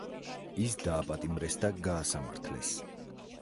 ის დააპატიმრეს და გაასამართლეს.